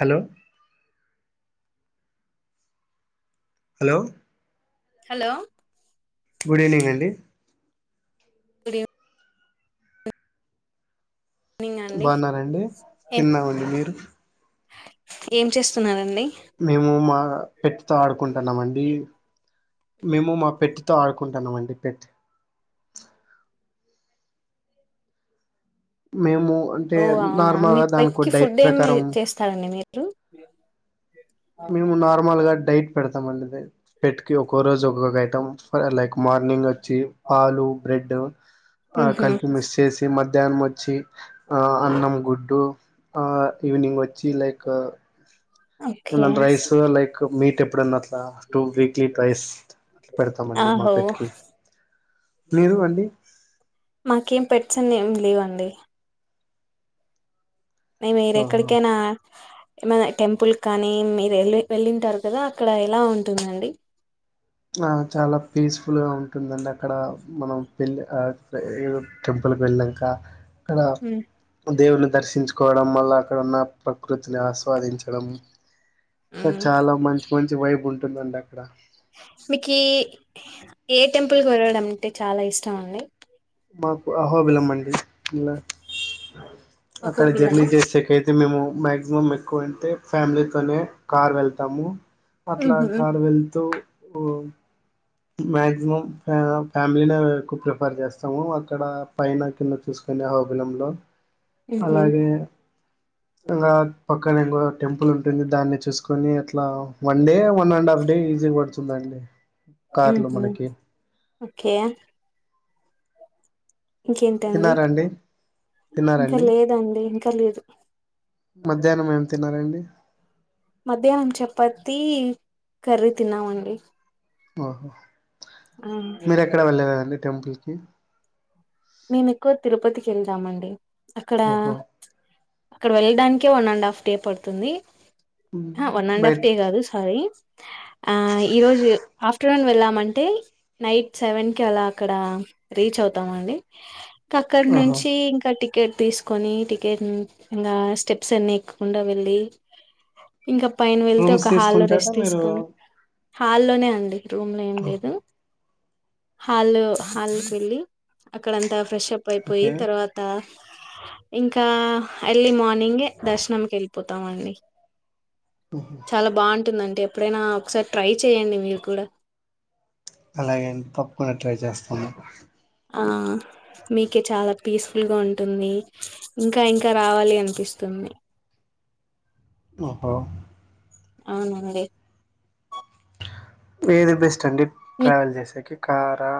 Hello hello hello good evening అండి good ఈవ్ evening అండి బాగున్నారండి ఏం తిన్నామండి మీరు ఏం చేస్తున్నారండి మేము మా పెట్టుతో ఆడుకుంటన్నాము అండి మేము మా పెట్టితో ఆడుకుంటన్నాం అండి పెట్టి మేము అంటే ఓ అవునా మీ నార్మల్గా పెట్ దానికి కి డైట్ ఫుడ్ ఏమి ప్రకారం చేస్తారండి మీరు మేము నార్మల్ గా డైట్ పెడతాం అండి పెట్టుకి ఒక్కో రోజు ఒక్కొక్క ఐటం లైక్ మార్నింగ్ వచ్చి పాలు బ్రెడ్ ఆ ఉహు కలిపి మిక్స్ చేసి మధ్యాహ్నం వచ్చి ఆ అన్నం గుడ్డు ఆ ఈవెనింగ్ వచ్చి like okay rice like meat ఎప్పుడన్న అట్లా టూ వీక్లీ ట్వైస్ పెడతామండి మా ఆహో పెట్కి మీరు అండి మాకేం పె అన్ని ఏం లేవండి న మీరు ఆహా ఎక్కడికైనా ఏమైనా టెంపుల్ కానీ మీరు వెళ్ వెళ్ళింటారు కదా అక్కడ ఎలా ఉంటుందండి ఆ చాలా పీస్ఫుల్ గా ఉం ఉంటుందండి అక్కడ మనం పెళ్ళి ఆ ఏదో టెంపుల్కి వెళ్ళంక అక్కడ ఉమ్ దేవుని దర్శించు కోవడం మల్ల అక్కడన్న ప్రకృతిని ఆస్వాదించడం ఇ చాలా మంచి మంచి వైబ్ ఉంటుందండి అక్కడ మీకి ఏ టెంపుల్ కోరడం అంటే చాలా ఇష్టం అండి మాకు ఆహోబిలం అండి ఇలా మాకు అక్కడ బిల్లన జర్నీ జేసేకైతే మేము మాక్సిమం ఎక్కువ అంటే ఫ్యామిలీతోనే కార్ వెళ్తాము అట్లా ఉహు కారు వెళ్తూ ఓ మాక్సిమం ఫ్యామిలీనే ఎక్కువ ప్రిఫర్ చేస్తాము అక్కడ పైన కింద చూసు అహోబిలంలో ఉహు అలాగే ఇంగా పక్కన ఇంగో టెంపుల్ ఉంటుంది దాన్ని చూసుకొని అట్లా one day one and half day easy పడుతుందండి కార్లో ఉహు మనకి ఓకే ఇంకేంటండి తిన్నారండి ఇంకా తిన్నారండి లేదండి ఇంకా లేదు మధ్యాహ్నం ఏం తిన్నారండి మధ్యాహ్నం చపాతి కర్రీ తిన్నామండి ఓ ఆ టెంపుల్కి మేము ఎక్కువ తిరుపతికి వెళ్దామండి అక్కడ ఓహో అక్కడ వెళ్ళడానికే వన్ అండ్ హాఫ్ డే పడుతుంది ఆ వన్ అండ్ హాఫ్ డే బయట్ కాదు సారీ ఆ ఈరోజు ఆఫ్టర్నూన్ వెళ్ళ అంటే నైట్ సెవెన్ కి అలా అక్కడ రీచ్ అవుతాం అండి అక్కడ ఆహా నుంచి ఇంకటి టికెట్ తీసుకొని టికెట్ ఇంగా స్టెప్స్ అన్ని ఎక్కకుండా వెళ్ళి ఇంకా పైన వెళ్తే రూమ్స్ ఒక హాల్లో తీసుకుంటారా రెస్ట్ మీరు తీసుకొని హాల్లోనే అండి రూమ్లో ఏం లేదు హాల్ హాల్కి వెళ్ళి అక్కడంతా ఫ్రెష్ అప్ అయిపోయి ఓకే తర్వాత ఇంకా ఎర్లీ మార్నింగే దర్శనంకి వెళ్ళిపోతాం అండి చాలా బాగుంటుందంటే ఎప్పుడైనా ఒకసారి ట్రై చెయ్యండి మీరు కూడా అలాగే అన్ తప్పకుండా ట్రై చేస్తను ఆ మీకే చాలా పీస్ఫుల్గా ఉంటుంది ఇంకా ఇంకా రావాలి అనిపిస్తుం మి ఓహో అవునండి ఏది బెస్ట్ అండి మీ ట్రావెల్ చేసేకి కారా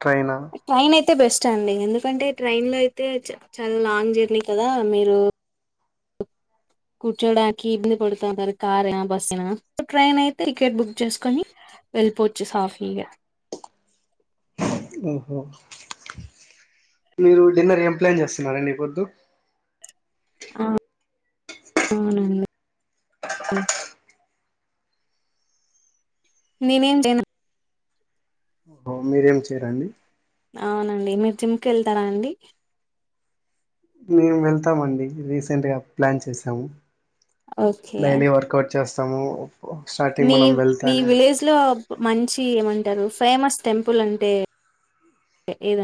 ట్రైనా ట్రైన్ అయితే బెస్ట్ అండి ఎందుకంటే ట్రైన్ లో అయితే చా చాలా లాంగ్ జర్నీ కదా మీరు కూర్చోడానికి ఇబ్బంది పడుతంటారు కార్ ఏనా బస్సు ఏ ట్రైన్ అయితే టికెట్ బుక్ చేసుకొని వెళ్లిపోచ్చు సాఫిగా ఓహో మీరు డిన్నర్ ఏం ప్లాన్ చేస్తున్నారండి ఈ పొద్దు ఆ అవునండి నేనేంచేనా హో మీరేం చేయరండి అవునండి మీరు జిమ్కి వెళ్తారా అండి మేము వెళ్తామండి రీసెంట్గా ప్లాన్ చేసాము ఓకే డైలీ వర్కౌట్ చేస్తాము స్టార్టింగ్ మీ మనం మీ వెళ్తానే విలేజ్ లో మంచి ఎవన్ అంటారు ఫేమస్ టెంపుల్ అంటే ఏద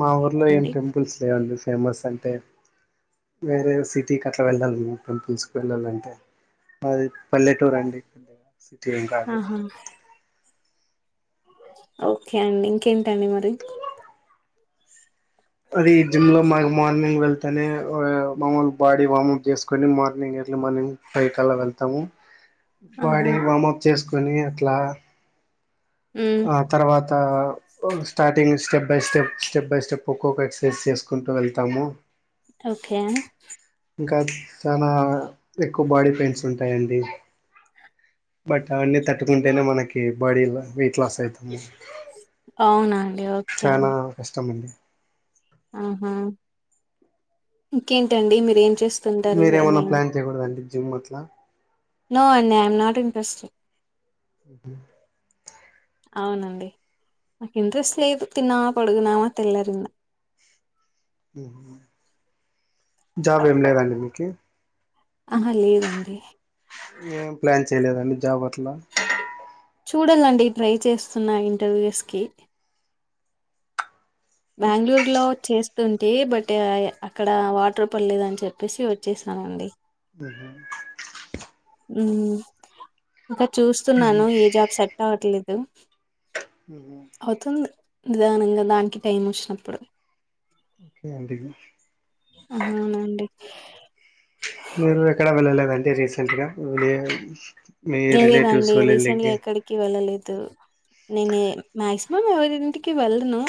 మా ఊర్లో ఏం టెంపుల్స్ లేవండి ఫేమస్ అంటే వేరే సిటీకి అట్ల వెళ్ళాలి మేము టెంపుల్స్ కు వెళ్ళాలంటే మాది పల్లెటూర అండి సిటీకాదు ఆహా ఓకే అండి ఇంకేంటండి మరి అది జిమ్ లో మాకు మార్నింగ్ వెళ్తనే మామూలు బాడీ వామప్ చేసుకుని మార్నింగే అట్లే మనం పైకల్లా వెళ్తాము ఆహా బాడీ వామప్ చేసుకొని అట్లా ఉమ్ ఆ తర్వాత starting step by step step by step ఖోఖోకు ఎక్సర్సైజ్ చేసుకుంటూ వెళ్తాము ఓకే ఇంకా చానా ఎక్కువ బాడీ పెయిన్స్ ఉంటాయండి బట్ అవన్నీ తట్టుకుంటేనే మనకి బాడీ వెయిట్ లాస్ అవునా అండి ఓకే చానా అండి కష్టం అండి ఆహా ఇంకేంటండి మీరేం చేస్ మీరేమన్నా ప్లాన్ చేయకూడదండి జిమ్ అట్ల నో అండి ఐ ఎమ్ నాట్ ఇంట్రెస్టెడ్ ఉ అవునండి మాకు ఇంట్రెస్ట్ లేదు తిన్నామా పడుగున్నామా తెల్లారింద జాబ్ ఏమి లేదండి మీకి ఆహా లేదండి ఏం ప్లాన్ చేయలేదండి జాబ అట్లా చూడల్లండి ట్రై చేస్తున్న ఇంటర్వ్యూస్ కి బెంగళూరులో చేస్తుంటే బట్ అక్కడ వాటర్ పర్లేదు అని చెప్పేసి వచ్చేస అవునండి ఆహ ఉ ఇంకా చూస్తున్నాను ఏ జాబ్ సెట్ అవట్లేదు ఊహు అవుతుంది నిదానంగా దానికి టైం వచ్చినప్పుడు ఓకే అండి ఆహా అనండి మీరు ఎక్కడా వెళ్ళలేదండి రీసెంట్గలే లేదండి రీసెంట్ గా ఎక్కడికి వెళ్ళలేదు నేను మాక్సిమం ఎవరింటికి వెళ్ళను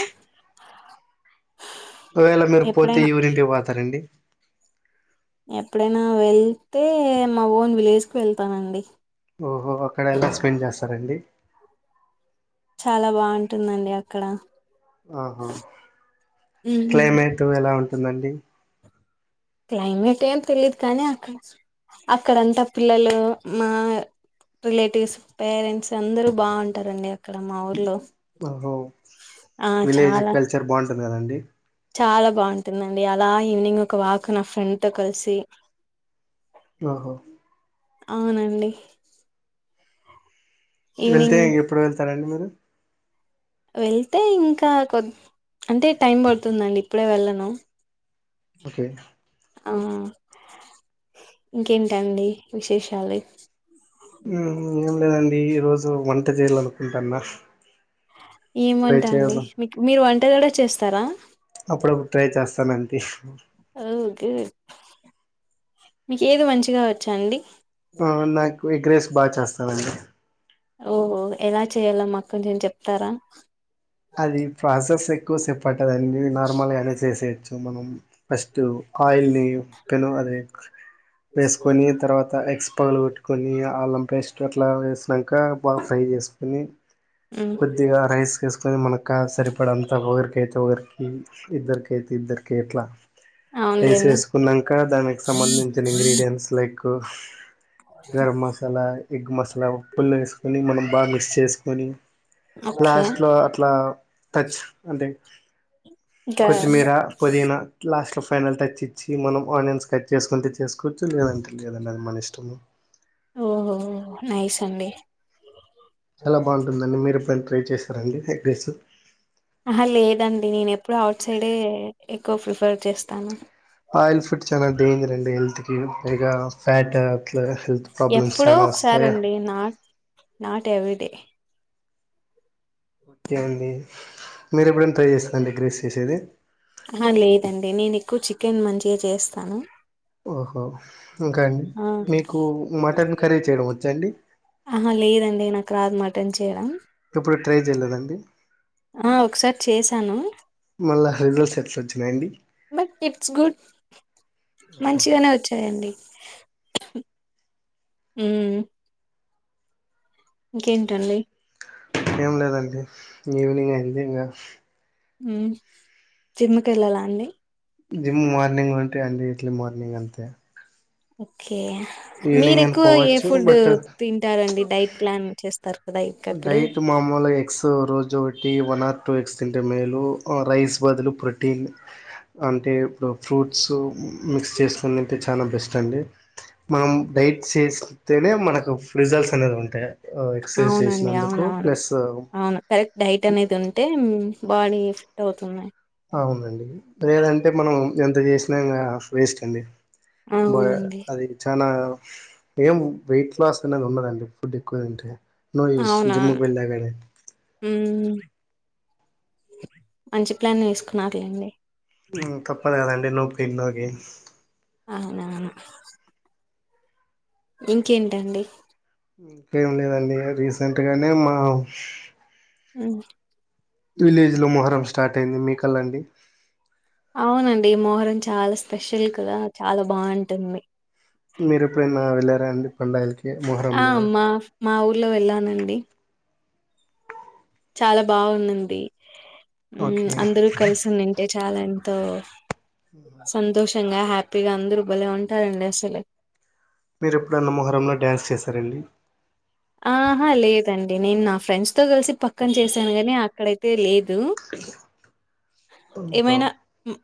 ఒకవేళ మీరు ఎప్పుడైనా పోతే ఊరింటికి పోతారండి ఎప్పుడైనా వెళ్తే మా ఓన్ విలేజ్ కు వెళ్తానండి ఓహో అక్కడ ఎలా స్పెండ్ చేస్తారండి చాలా బాగుంటుందండి అక్కడ ఆహా ఉహు క్లైమేటు ఎలా ఉంటుందండి క్లైమేట్ ఏం తెలీదు కానీ అక్కడంతా పిల్లలు మా రిలేటివ్స్, పేరెంట్స్ అందరు బావుంటారండి ఆహో ఆ విలేజ్ చాలా కల్చర్ బావుంటుంది కదండి చాలా బావుంటుందండి అలా ఈవినింగ్ ఒక వాక్ నా ఫ్రెండ్ తో కలిసి ఆహ అవునండి వెళ్తే ఈవినింగ్ ఇంక ఎప్పుడు వెళ్తారండి మీరు? వెళ్తే ఇంకా కొద్ అంటే టైం పడుతుందండి ఇప్పుడే వెళ్ళను. ఓకే ఆ ఇంకేంటండి విశేషాలు? మ్ ఏం లేదండి ఈ రోజు వంట చేయాలనుకుంటాన్న. ఏ వంట అండి మీకు మీరు వంట కూడా చేస్తారా? అప్పుడప్పుడు ట్రై చేస్తాను అంతే ఓకే మీకేది మంచిగా వచ్చా అండి? ఆ నాకు ఎగ్రేస్ బాగా చేస్తానండి. ఓహో ఎలా చేయాలో మాకు కొంచెం చెప్తారా? అది ప్రాసెస్ ఎక్కువసేపట్టందిన్నీ నార్మల్ గానే చేసేయొచ్చు మనం ఫ స్టు ఆయిల్ని పెనం అది వేసుకొని తర్వాత ఎగ్స్ పలు కొట్టుకొని అల్లం పేస్ట్ అట్లా వేసినాక బాగా ఫ్రై చేసుకొని మ్మ్ కొద్దిగా రైస్ వేసుకొని మనక్క సరిపడంత రిక అయితే రి కి ఇద్దర కేతే ఇద్దర కేట్లా రైస్ అవునులేండి వేసుకున్నాక దానికి సంబంధించిన ingredients like garam masala, egg masala ఉ పలు వేసుకొని మనం బాగా మిక్స్ చేసుకొని ఓకే లాస్ట్ లో ఇట్లా టచ్ అంటే ఇంకా కొత్తిమీర పుదీనా లాస్ట్ లో ఫైనల్ టచ్ ఇచ్చి మనం ఆనియన్స్ కట్ చేసుకుంటే చేసుకోవచ్చు. లేదంటే లేదం అది మన ఇష్టము. ఓహో నయిస్ అండి చాలా బావుంటుందండి మీరు ఎప్పుడనా ట్రై చేశారండి ఎగ్ రైస్? ఆహ లేదండి నేను ఎప్పుడూ అఔట్ సైడే ఎక్కువ ప్రిఫర్ చేస్తాను. ఆయిల్ ఫుడ్ చాలా డేంజర్ అండి హెల్త్ కి పైగా ఫ్యాట్ అట్ల ఎప్పుడో ఒకసారండి నాట్ నాట్ ఎవీడే ఏవండీ మీరు ఎప్పుడైనా ట్రై చేస్తా అండి ఎగ్ రైస్ చేసేది? ఆ లేదండి నేను ఎక్కువ చికెన్ మంచిగా చేస్తాను. ఓహో ఇంకా అండి ఆ మీకు మటన్ కర్రీ చేయడం వచ్చాండి? ఆహా లేదండి నాకు రాదు మటన్ చేయడం. ఎప్పుడు ట్రై చేయలేదండి? ఆ ఒకసారి చేసాను రిజల్స్ ఎట్ల వచ్చినాయండి? బట్ ఇట్స్ గుడ్ మంచిగానే వచ్చాయండి. ఆ ఇంకేంటండి? ఏం లేదండి ఈవినింగ్ అయింది ఇంగా మ్ జిమ్కి ఎల్లలా అండి? జిమ్ మార్నింగ్ ఉంటే అండి ఇట్లీ మార్నింగ్ అంతే ఓకే మీరు ఈవినింగ్ అని ఎక్కువ ఏ పోవచ్చు ఫుడ్ బట్ తింటారండి డైట్ ప్లాన్ చేస్తారు? కదా ఇకప్పుడు డైట్ మాములే ఎక్స సో రోజు ఒకటి వన్ ఆర్ టూ ఎగ్స్ తింటే మేలు రైస్ బదులు ప్రొటీన్ అంటే ఇప్పుడు ఫ్రూట్స్ మిక్స్ చేసుకుని తింటే చాలా బెస్ట్ అండి. మనం డైట్ చేస్తేనే మనకు రిజల్ట్స్ అనేది ఉంటాయి ఎక్ససైజ్ అవునండి అవునవును అవును కరెక్ట్ డైట్ అనేది ఉంటే బాడీ ఫిట్ అవుతుంది. అవునండి లేదంటే మనం ఎంత చేసినా ఇంకా వేస్ట్ అండి. బ అవునండి అది చనా ఏం వెయిట్ లాస్ అనేది ఉన్నదండి ఫుడ్ ఎక్కువ తింటే నోయూస్ జిమ్మూ అవునవును కి బెండ్ అయిపొయింది మ్మ్ మంచి ప్లాన్ ఏసుకున్నారు లేండి ఉ తప్పదు కదండి నొప్ప నకి అవునవును ఇంకేంటండి? ఇంకేం లేదండి రీసెంట్గానే మా ఉ విలేజ్ లో మొహరం స్టార్ట్ అయింది మీకల్లా అండి? అవునండి మోహరం చాలా స్పెషల్ కదా చాలా బావుంటుంది. మీరు ఎప్పుడైనా వెళ్ళారాండి పండగలకి ఆ! మొహరంలో? మా మా ఊర్లో వెళ్ళానండి చాలా బావుందండి ఉ ఓకే అందరూ కలిసినుంటే టాలెంట్తో ఆహ టంగా హ్యాపీగా అందరు బలే ఉంటారండి అసలు మీరు ఎప్పుడన్న మొహరంలో డ్యాన్స్ చేశారండి? ఆహా లేదండి నేను నా ఫ్రెండ్స్ తో కలిసి పక్కన చేశాను గాని అక్కడయితే లే హలో ఓహో ఏమైనా ఉ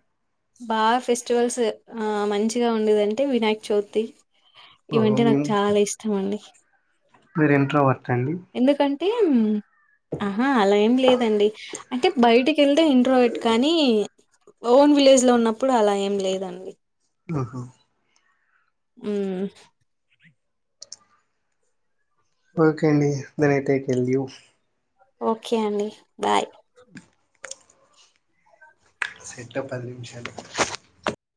బాగా ఫెస్టివల్స్ ఆ మంచిగా ఉండేదంటే వినాయక చవితి ఓహో ఇవంటే నాకు చాలా ఇష్టం అండి. మీరు ఇంట్లో వతండి అంటే ఆహా అలా ఏం లేదండి అంటే బయటికి అంటే ఇంట్రోవెట్ కానీ ఓన్ విలేజ్ లో ఉన్నప్పుడు అలా ఏం లేదండి. ఆహ ఆ ఓకే అండి then I take L U okay అండి బాయ్ సెట్ లో పది నిమిషాలు